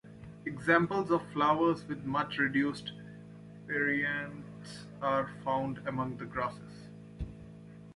Examples of flowers with much reduced perianths are found among the grasses.